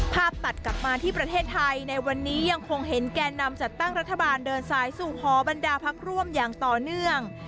ตัดกลับมาที่ประเทศไทยในวันนี้ยังคงเห็นแก่นำจัดตั้งรัฐบาลเดินสายสู่หอบรรดาพักร่วมอย่างต่อเนื่อง